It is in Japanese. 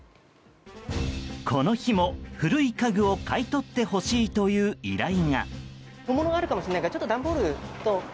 この日も、古い家具を買い取ってほしいという依頼が。